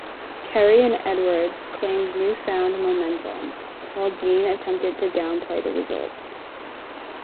Kerry and Edwards claimed newfound momentum, while Dean attempted to down-play the results.